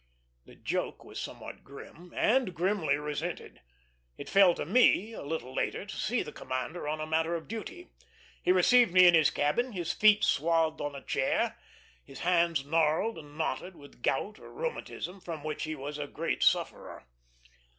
The joke was somewhat grim, and grimly resented. It fell to me a little later to see the commander on a matter of duty. He received me in his cabin, his feet swathed on a chair, his hands gnarled and knotted with gout or rheumatism, from which he was a great sufferer.